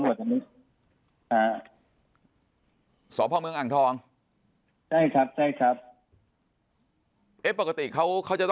หรือว่าทางสอบพเมืองการทำให้ข้อมูลครับ